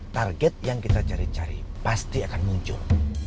target yang kita cari cari pasti akan muncul